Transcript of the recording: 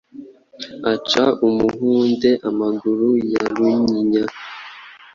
Aca Umuhunde amaguru.ya runyinya